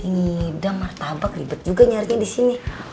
ngidam martabak ribet juga nyarinya disini